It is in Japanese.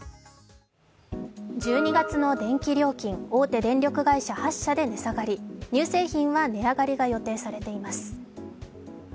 １２月の電気料金大手電力会社８社で値下がり乳製品は値上がりが予定されています。